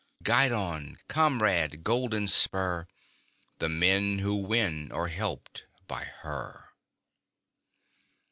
Guidon comrade golden spur The men who win are helped by her!